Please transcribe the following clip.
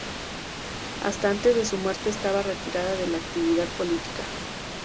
Hasta antes de su muerte estaba retirada de la actividad política.